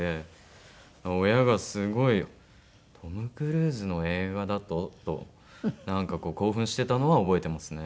親がすごい「トム・クルーズの映画だと！？」となんかこう興奮してたのは覚えてますね。